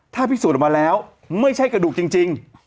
ถ้าพิสูจน์ออกมาแล้วไม่ใช่กระดูกจริง